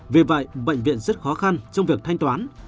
vì vậy bệnh viện rất khó khăn trong việc thanh toán